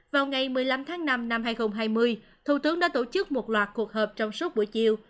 vào ngày một mươi năm tháng năm năm hai nghìn hai mươi thủ tướng đã tổ chức một loạt cuộc họp trong suốt buổi chiều